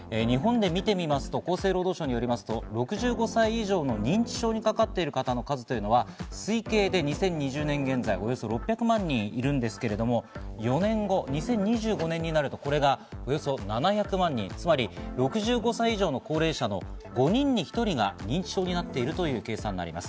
日本で見てみますと、厚生労働省によりますと６５歳以上の認知症にかかっている方の数は推計でおよそ２０２０年現在、およそ６００人いるんですが４年後、２０２５年になると、これがおよそ７００万人、つまり６５歳以上の高齢者の５人に１人が認知症になっているという計算になります。